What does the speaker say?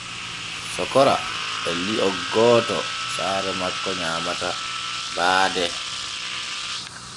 Sokora e lio gooto saare makko nyaamata baade.